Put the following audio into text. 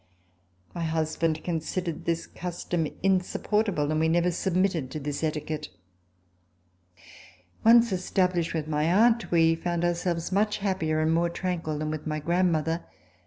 RECOLLECTIONS OF THE REVOLUTION My husband considered this custom insupportable, and we never submitted to this etiquette. Once estabUshed with my aunt, we found our selves much happier and more tranquil than with my grandmother.